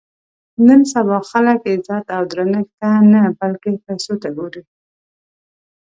نن سبا خلک عزت او درنښت ته نه بلکې پیسو ته ګوري.